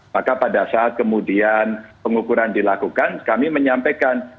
maka pada saat kemudian pengukuran dilakukan kami menyampaikan